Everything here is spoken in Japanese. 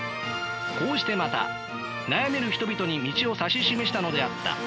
こうしてまた悩める人々に道を指し示したのであった。